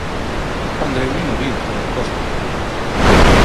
Andreu nin a viu, estaba de costas.